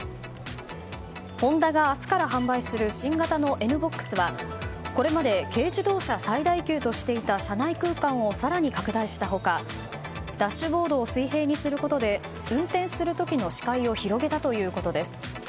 ホンダが明日から販売する新型のＮ‐ＢＯＸはこれまで軽自動車最大級としていた車内空間を更に拡大した他ダッシュボードを水平にすることで運転する時の視界を広げたということです。